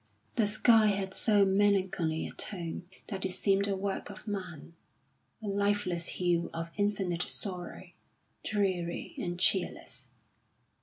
The sky had so melancholy a tone that it seemed a work of man a lifeless hue of infinite sorrow, dreary and cheerless.